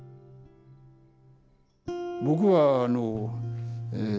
僕はあのえ